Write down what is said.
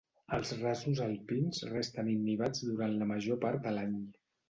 Els rasos alpins resten innivats durant la major part de l'any.